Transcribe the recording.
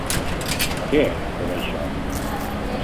Què era tot això?